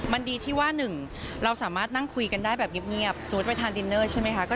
มันดีที่ว่าหนึ่งเราสามารถนั่งคุยกันได้แบบเงียบสมมุติไปทานดินเนอร์ใช่ไหมคะ